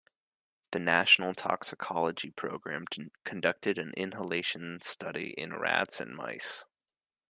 The National Toxicology Program conducted an inhalation study in rats and mice.